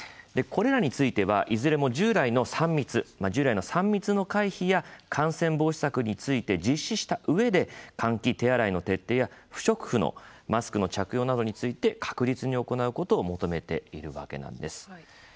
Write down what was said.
これらについてはいずれも従来の３密の回避や感染防止策について実施したうえで換気、手洗いの徹底や不織布のマスクの着用などについて着実に行うことを求めているわけなんです。